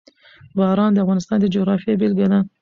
باران د افغانستان د جغرافیې بېلګه ده.